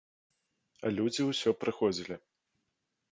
А людзі ўсё прыходзілі.